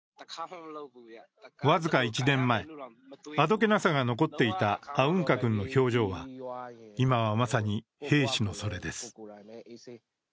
僅か１年前、あどけなさが残っていたアウンカ君の表情は今は、まさに兵士のそれです。